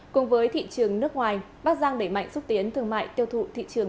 cùng với thị trường nước ngoài bắc giang đẩy mạnh xúc tiến thương mại tiêu thụ thị trường